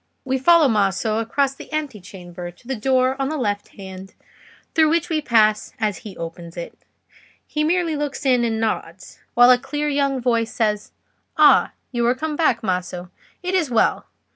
We follow Maso across the ante chamber to the door on the left hand, through which we pass as he opens it. He merely looks in and nods, while a clear young voice says, "Ah, you are come back, Maso. It is well.